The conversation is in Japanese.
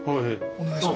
お願いします。